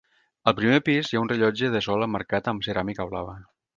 Al primer pis hi ha un rellotge de sol emmarcat amb ceràmica blava.